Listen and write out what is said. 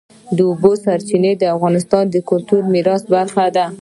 د اوبو سرچینې د افغانستان د کلتوري میراث برخه ده.